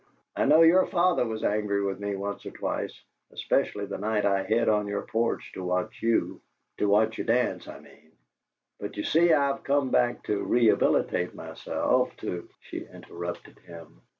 "I know your father was angry with me once or twice, especially the night I hid on your porch to watch you to watch you dance, I mean. But, you see, I've come back to rehabilitate myself, to " She interrupted him.